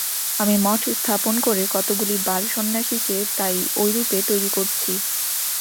আমি মঠ স্থাপন করে কতকগুলি বাল-সন্ন্যাসীকে তাই ঐরূপে তৈরী করছি।